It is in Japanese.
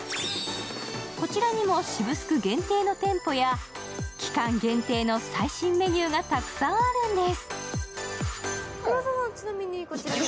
こちらにも渋スク限定の店舗や期間限定の最新メニューがたくさんあるんです。